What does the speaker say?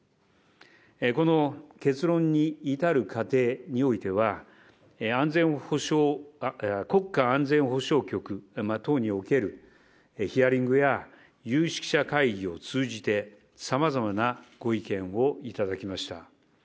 この結論に至る過程においては、国家安全保障局等におけるヒアリングや有識者会議を通じて、さまざまなご意見を頂きました。